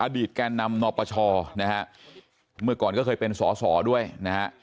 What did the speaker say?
แก่นำนปชนะฮะเมื่อก่อนก็เคยเป็นสอสอด้วยนะฮะ